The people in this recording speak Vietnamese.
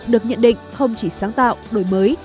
được nhận định không chỉ sáng tạo đổi mới